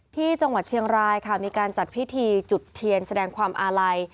ที่จังหวัดเชียงรายค่ะมีการจัดพิธีจุดเทียนแสดงความอาลัย